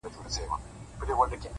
داسي محراب غواړم، داسي محراب راکه،